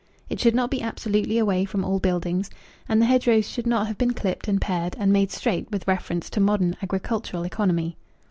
It should not be absolutely away from all buildings, and the hedgerows should not have been clipped and pared, and made straight with reference to modern agricultural economy.